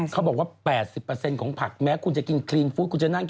ใช้เบรกกิ้งโสดาล้าง